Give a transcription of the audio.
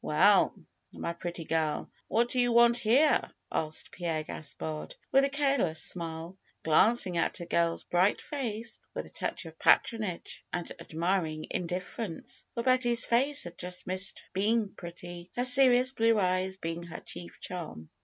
^^Well, my pretty girl, what do you want here?" asked Pierre Gaspard, with a careless smile, glancing at the girl's bright face with a touch of patronage and admiring indifference, for Betty's face had just missed being pretty, her serious blue eyes being her chief charm.